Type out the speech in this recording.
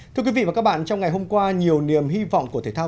thưa quý vị và các bạn trong ngày hôm qua nhiều niềm hy vọng của thể thao